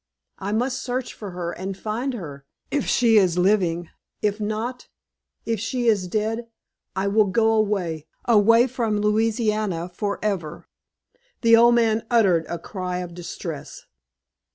I must search for her, and find her, if she is living; if not if she is dead I will go away away from Louisiana forever." The old man uttered a cry of distress.